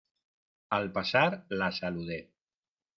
Al pasar la saludé.